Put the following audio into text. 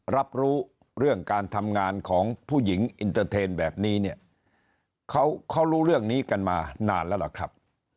รับรู้เรื่องการทำงานของผู้หญิงอินเตอร์เทนแบบนี้เนี่ยเขารู้เรื่องนี้กันมานานแล้วล่ะครับ